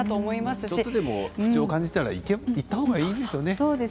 少しでも不調を感じたら行った方がいいですよね。